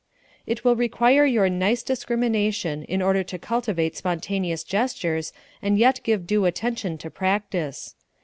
It will require your nice discrimination in order to cultivate spontaneous gestures and yet give due attention to practise.